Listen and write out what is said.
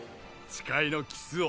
誓いのキスを。